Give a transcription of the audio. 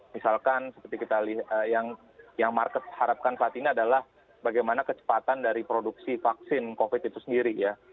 misalkan seperti kita lihat yang market harapkan saat ini adalah bagaimana kecepatan dari produksi vaksin covid itu sendiri ya